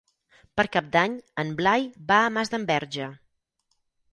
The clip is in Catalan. Per Cap d'Any en Blai va a Masdenverge.